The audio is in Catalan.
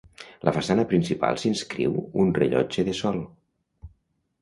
La façana principal s'inscriu un rellotge de sol.